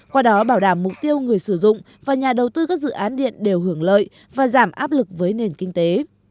qua đó bảo đảm mục tiêu người sử dụng và nhà đầu tư các dự án điện đều hưởng lợi và giảm áp lực với nền kinh tế